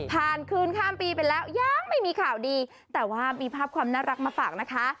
คืนข้ามปีไปแล้วยังไม่มีข่าวดีแต่ว่ามีภาพความน่ารักมาฝากนะคะ